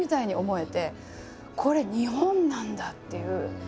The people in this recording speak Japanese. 「これ日本なんだ！」っていう。